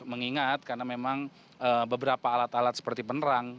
mengingat karena memang beberapa alat alat seperti penerang